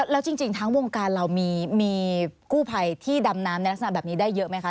แล้วจริงทั้งวงการเรามีกู้ภัยที่ดำน้ำในลักษณะแบบนี้ได้เยอะไหมคะ